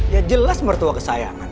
ya jelas mertua kesayangan